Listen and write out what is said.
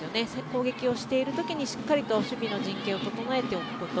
攻撃をしているときにしっかりと守備の陣形を整えておくこと。